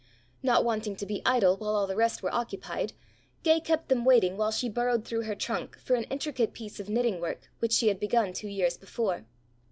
Not wanting to be idle while all the rest were occupied, Gay kept them waiting while she burrowed through her trunk for an intricate piece of knitting work which she had begun two years before.